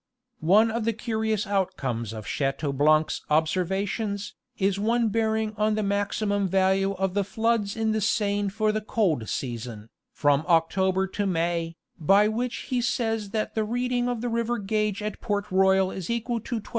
One of the curious outcomes of Chat eaublanc's observations, is one bearing on the maximum value of the floods in the Seine for the cold season, from October to May, by which he says that the reading of the river gauge at Port Royal is equal to 12.